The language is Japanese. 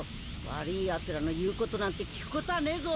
悪いやつらの言うことなんて聞くことはねえぞ！